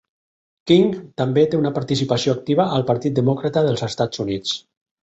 King també té una participació activa al partit demòcrata dels EUA.